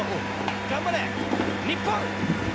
頑張れ！日本！